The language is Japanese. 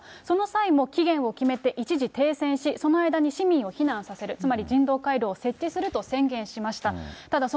その際も期限を決めて、一時停戦し、その間に市民を避難させる、つまり人道回廊を設置すると宣言しました。